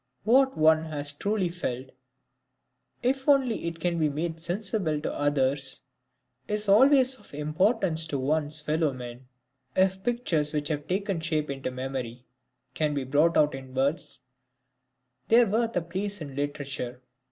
What one has truly felt, if only it can be made sensible to others, is always of importance to one's fellow men. If pictures which have taken shape in memory can be brought out in words, they are worth a place in literature.